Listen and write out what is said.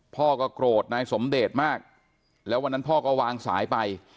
พ่อก็โกรธนายสมเดชมากแล้ววันนั้นพ่อก็วางสายไป